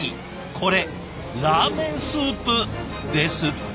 これラーメンスープですって。